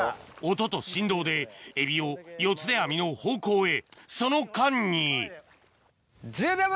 音と振動でエビを四手網の方向へその間に１０秒前！